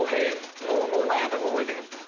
もう何やったか覚えてへんもん。